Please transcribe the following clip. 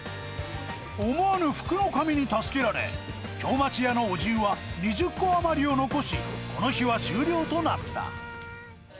思わぬ福の神に助けられ、京町屋のお重は、２０個余りを残し、この日は終了となった。